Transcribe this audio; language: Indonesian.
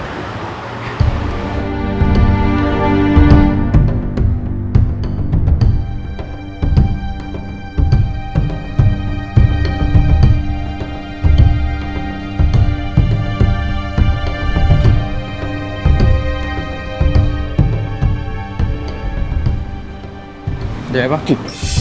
sudah apa ki